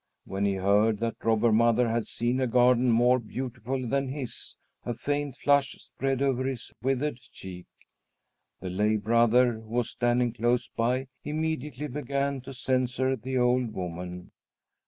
When he heard that Robber Mother had seen a garden more beautiful than his, a faint flush spread over his withered cheek. The lay brother, who was standing close by, immediately began to censure the old woman.